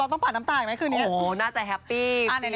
เราต้องปาดน้ำตาอีกไหมคืนนี้โอ้โหน่าจะแฮปปี้